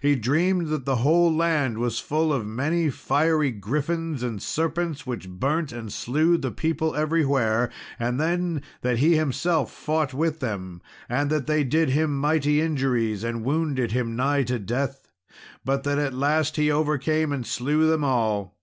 He dreamed that the whole land was full of many fiery griffins and serpents, which burnt and slew the people everywhere; and then that he himself fought with them, and that they did him mighty injuries, and wounded him nigh to death, but that at last he overcame and slew them all.